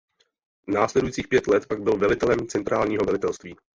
Následujících pět let pak byl velitelem centrálního velitelství.